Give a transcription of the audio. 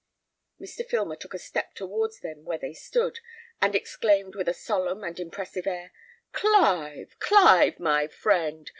Mr. Filmer took a step towards them where they stood, and exclaimed, with a solemn and impressive air, "Clive, Clive, my friend!